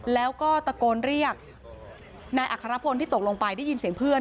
แล้วก็ตะโกนเรียกนายอัครพลที่ตกลงไปได้ยินเสียงเพื่อน